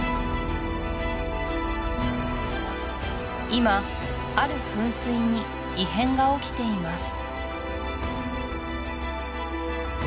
今ある噴水に異変が起きています